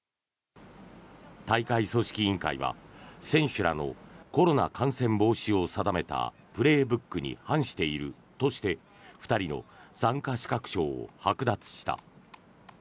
大会組織委員会は選手らのコロナ感染防止を定めた「プレーブック」に反しているとして２人の参加資格証をはく奪した。